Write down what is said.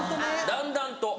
だんだんと。